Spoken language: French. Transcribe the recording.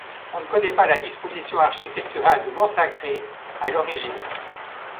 On ne connait pas la disposition architecturale du Mont Sacré à l'origine.